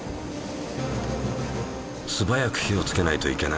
すばやく火をつけないといけない。